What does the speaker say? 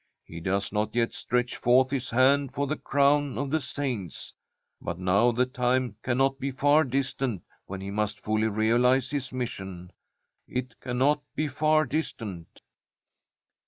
He does not yet stretch forth his hand for the crown of the saints. But now the time cannot be far distant when he must fully realize his mission. It cannot be far distant.'